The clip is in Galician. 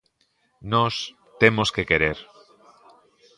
Nós, temos que querer.